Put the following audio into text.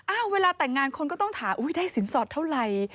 เวลาแต่งงานคนก็ต้องถามได้สินสอดเท่าไหร่